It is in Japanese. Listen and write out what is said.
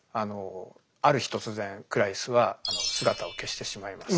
ある日突然クラリスは姿を消してしまいます。